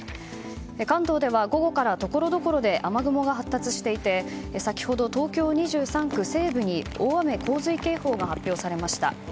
関東では午後からところどころで雨雲が発達していて先ほど、東京２３区西部に大雨・洪水警報が発表されました。